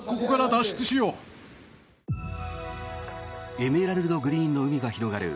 エメラルドグリーンの海が広がる